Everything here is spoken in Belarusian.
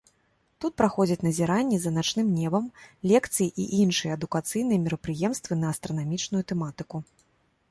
Тут праходзяць назіранні за начным небам, лекцыі і іншыя адукацыйныя мерапрыемствы на астранамічную тэматыку.